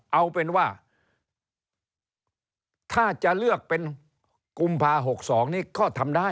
เอาเป็นว่าถ้าจะเลือกเป็นกุมภา๖๒นี้ก็ทำได้